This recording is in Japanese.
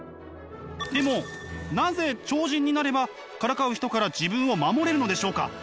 でもなぜ超人になればからかう人から自分を守れるのでしょうか？